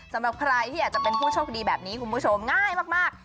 สำหรับใครที่อยากจะเป็นผู้โชคดีแบบนี้คุณผู้ชมง่ายมาก